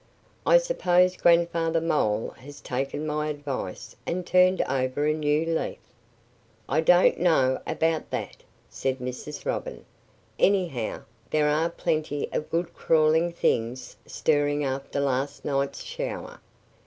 "I suppose Grandfather Mole has taken my advice and turned over a new leaf." "I don't know about that," said Mrs. Robin. "Anyhow, there are plenty of good crawling things stirring after last night's shower.